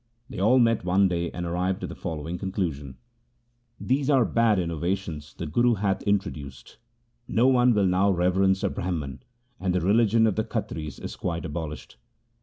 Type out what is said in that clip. They all met one day and arrived at the following conclusion :' These are bad innovations the Guru hath introduced. No one will now reverence a Brahman, and the religion of the Khatris is quite abolished.